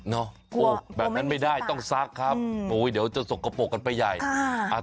โอ้แบบนั้นไม่ได้ต้องซักครับโอ้ยเดี๋ยวจะสกปรกกันไปใหญ่อ่า